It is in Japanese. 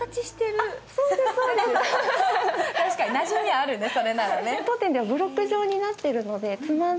確かになじみあるね、それならね。